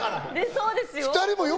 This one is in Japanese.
そうですよ。